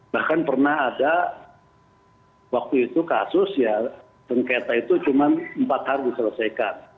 bahkan pernah ada waktu itu kasus ya sengketa itu cuma empat hari diselesaikan